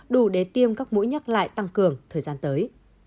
đủ để tiêm các mũi nhắc lại tăng cường thời gian tới